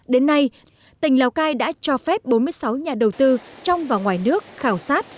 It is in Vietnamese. đến nay tỉnh lào cai đã cho phép bốn mươi sáu nhà đầu tư trong và ngoài nước khảo sát